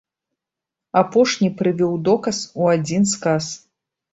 Апошні прывёў доказ у адзін сказ.